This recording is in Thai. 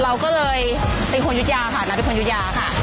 เราก็เลยเป็นคนยุธยาค่ะนัทเป็นคนยุธยาค่ะ